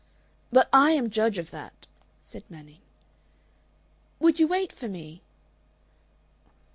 "But I am judge of that," said Manning. "Would you wait for me?"